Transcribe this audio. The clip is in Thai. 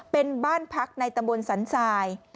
เป็นบ้านพักในตำบลสันทราย